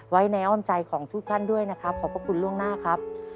ไว้ในอ้อมใจของทุกท่านด้วยนะครับขอบพระคุณล่วงหน้าครับ